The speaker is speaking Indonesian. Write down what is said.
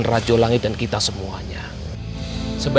kamu ingin dapat dapat alamat